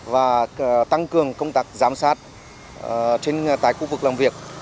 và tăng cường công tác giám sát trên tài khu vực làm việc